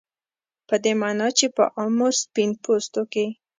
په دې معنا چې په عامو سپین پوستو کې